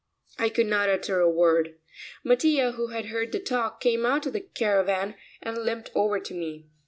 I could not utter a word. Mattia, who had heard the talk, came out of the caravan and limped over to me.